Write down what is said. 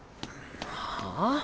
はあ？